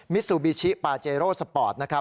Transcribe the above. มิสุบิชิปาเจโรสปอร์ต